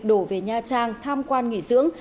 đổ về nha trang tham quan nghỉ dưỡng